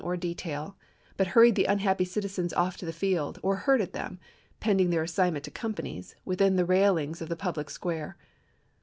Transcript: viil or detail, but hurried the unhappy civilians off to the field, or herded them, pending their assignment to companies, within the railings of the public square.